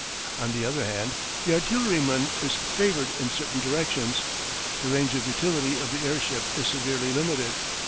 On the other hand, the artilleryman is favoured in certain directions. The range of utility of the airship is severely limited.